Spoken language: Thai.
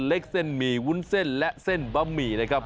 เส้นหมี่วุ้นเส้นและเส้นบะหมี่นะครับ